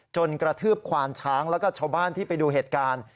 กระทืบควานช้างแล้วก็ชาวบ้านที่ไปดูเหตุการณ์